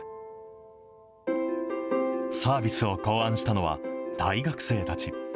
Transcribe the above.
サービスを考案したのは、大学生たち。